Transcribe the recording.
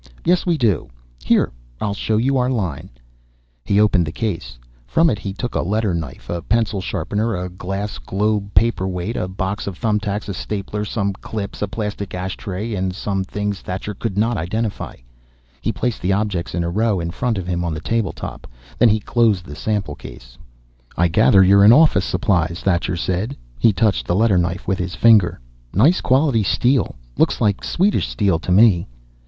"Yes, we do. Here, I'll show you our line." He opened the case. From it he took a letter knife, a pencil sharpener, a glass globe paperweight, a box of thumb tacks, a stapler, some clips, a plastic ashtray, and some things Thacher could not identify. He placed the objects in a row in front of him on the table top. Then he closed the sample case. "I gather you're in office supplies," Thacher said. He touched the letter knife with his finger. "Nice quality steel. Looks like Swedish steel, to me."